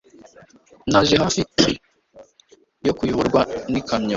Naje hafi yo kuyoborwa n'ikamyo.